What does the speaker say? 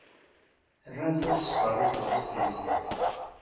Rnant-as sskeṛ i teɣlust-nsent.